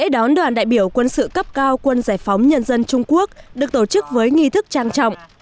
đón đoàn đại biểu quân sự cấp cao quân giải phóng nhân dân trung quốc được tổ chức với nghi thức trang trọng